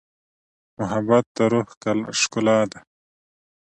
محبت د روح ښکلا ده.